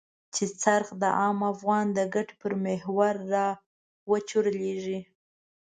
چې څرخ د عام افغان د ګټې پر محور را وچورليږي.